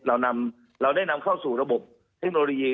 เราได้นำเข้าสู่ระบบเทคโนโลยี